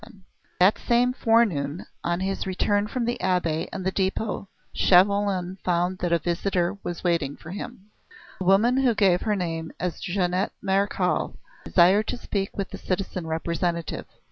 VII That same forenoon, on his return from the Abbaye and the depot, Chauvelin found that a visitor was waiting for him. A woman, who gave her name as Jeannette Marechal, desired to speak with the citizen Representative.